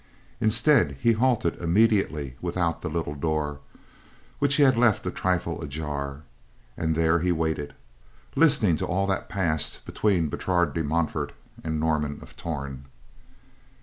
Instead, he halted immediately without the little door, which he left a trifle ajar, and there he waited, listening to all that passed between Bertrade de Montfort and Norman of Torn.